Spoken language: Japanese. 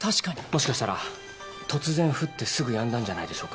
もしかしたら突然降ってすぐやんだんじゃないでしょうか。